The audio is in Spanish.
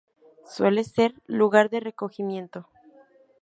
Suele ser lugar de recogimiento.